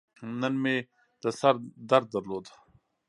نن مې د سر درد درلود.